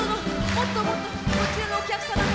もっともっとこちらのお客様も。